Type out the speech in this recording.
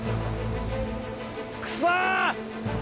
クソ！